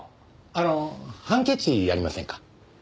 あのハンケチありませんか？